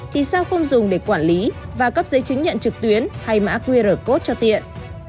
thì sao không dùng để quản lý và cấp giấy chứng nhận trực tuyến hay mã qr code cho tiện